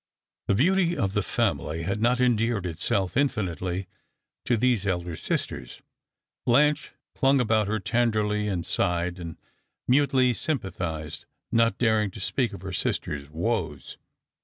The beauty of the family had not endeared herself infinitely to these elder sisters. Blanche clung about her tenderly, and sighed, and mutely sympathised, not daring to speak of her sister's woes?